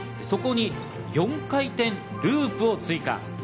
そこに４回転ループを追加。